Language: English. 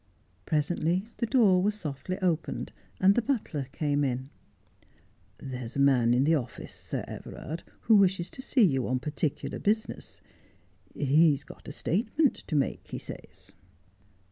Presently the door was softly opened, and the butler came in. ' There is a man in the office, Sir Everard, who wishes to see you on particular business. He has got a statement to make, he says.'